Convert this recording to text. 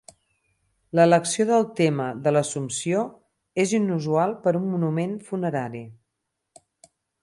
L'elecció del tema de l'Assumpció és inusual per a un monument funerari.